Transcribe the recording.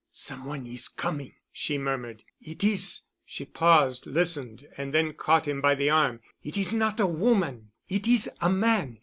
"Some one is coming," she murmured. "It is——" she paused, listened, and then caught him by the arm. "It is not a woman,—it is a man.